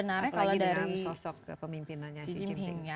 apalagi dengan sosok kepemimpinannya xi jinping